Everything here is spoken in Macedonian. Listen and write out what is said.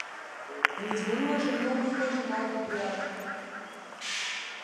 Не зборуваше многу и имаше малку пријатели.